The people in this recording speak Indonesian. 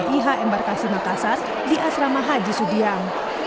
oleh tim medis ptih embarkasi makassar di asrama haji sudiam